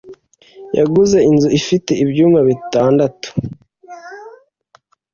yaguze inzu ifite ibyumba bitandatu.